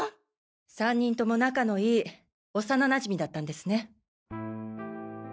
３人とも仲の良い幼なじみだったんですね。